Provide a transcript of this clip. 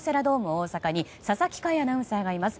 大阪に佐々木快アナウンサーがいます。